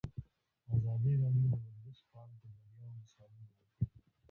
ازادي راډیو د ورزش په اړه د بریاوو مثالونه ورکړي.